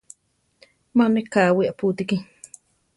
¡Ma neʼé káwi apútiki!